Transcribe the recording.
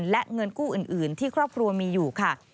และเงินกู้อื่นที่ครอบครัวมีอยู่ค่ะ